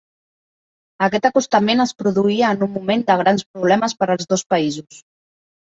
Aquest acostament es produïa en un moment de grans problemes per als dos països.